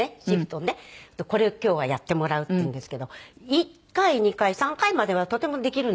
これを今日はやってもらうって言うんですけど１回２回３回まではとてもできるんですよ。